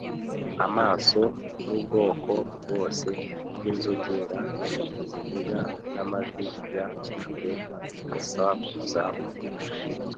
amaso, n'ubwoko bwose bw'inzogera zivuga n'amajwi ya kure asakuza mu gutwi.